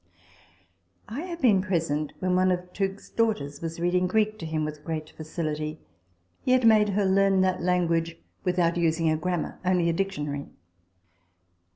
I have been present when one of Tooke's daughters was reading Greek f to him with great facility. He had made her learn that language without using a grammar only a dictionary.